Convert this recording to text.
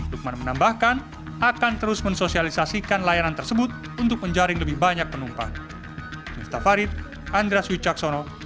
lukman menambahkan akan terus mensosialisasikan layanan tersebut untuk menjaring lebih banyak penumpang